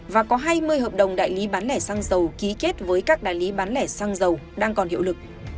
và có hai mươi hợp đồng đại lý bán lẻ xăng dầu ký kết với các đại lý bán lẻ xăng dầu đang còn hiệu lực